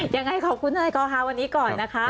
ยังไงขอบคุณนะครับวันนี้ก่อนนะคะ